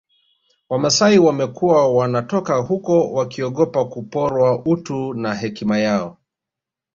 Wamasai wamekuwa wanatoka huko wakiogopa kuporwa utu na hekima yao